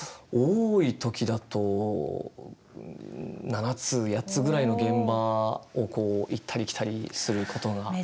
多いときだと７つ８つぐらいの現場を行ったり来たりすることが。